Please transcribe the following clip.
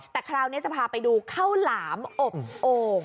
แต่คราวนี้จะพาไปดูข้าวหลามอบโอ่ง